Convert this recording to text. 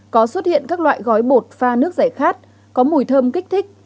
có xuất hiện các loại gói bột pha nước giải khát có mùi thơm kích thích